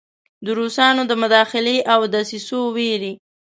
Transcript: د روسانو د مداخلې او دسیسو ویرې.